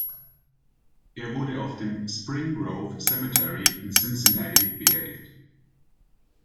Er wurde auf dem Spring Grove Cemetery in Cincinnati beerdigt.